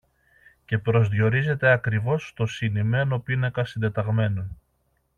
και προσδιορίζεται ακριβώς στο συνημμένο πίνακα συντεταγμένων